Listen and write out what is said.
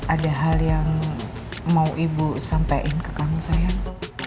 ada hal yang mau ibu sampein ke kamu sayang